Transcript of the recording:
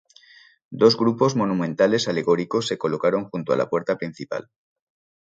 Dos grupos monumentales alegóricos se colocaron junto a la puerta principal.